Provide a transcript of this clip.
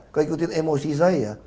kau ikutin emosi saya